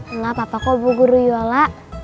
enggak papa kok ibu guru yaudah